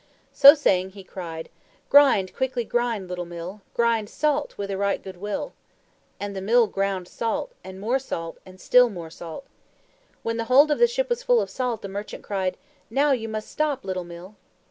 So saying he cried, "Grind, quickly grind, little Mill, Grind SALT with a right good will!" And the Mill ground salt, and more salt, and still more salt. When the hold of the ship was full of salt, the merchant cried, "Now you must stop, little Mill."